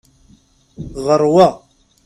Ɣeṛ wa!